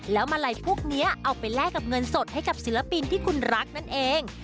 แล้วมาลัยพวกนี้เอาไปแลกกับเงินสดให้กับศิลปินที่คุณรักนั่นเอง